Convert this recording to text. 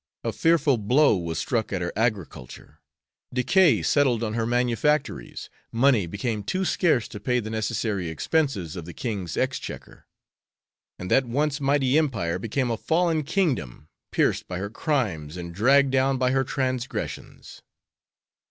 A fearful blow was struck at her agriculture; decay settled on her manufactories; money became too scarce to pay the necessary expenses of the king's exchequer; and that once mighty empire became a fallen kingdom, pierced by her crimes and dragged down by her transgressions."